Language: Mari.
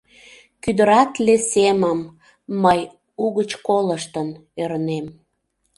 Кӱдыратле семым Мый угыч колыштын ӧрнем.